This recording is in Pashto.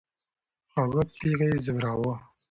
هغه پېښه یې ځوراوه.